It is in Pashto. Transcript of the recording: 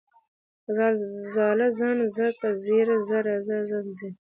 ځاله، ځان، ځکه، ځير، ځه، ځم، ځي